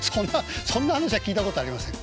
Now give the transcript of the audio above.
そんな話は聞いたことありません。